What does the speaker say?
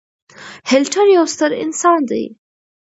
هېټلر يو ستر انسان دی.